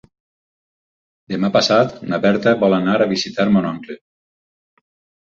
Demà passat na Berta vol anar a visitar mon oncle.